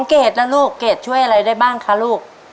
เกรดนะลูกเกดช่วยอะไรได้บ้างคะลูก